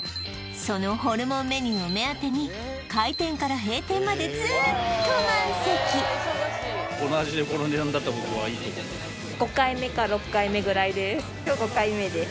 そのホルモンメニューを目当てに開店から閉店までぐらいです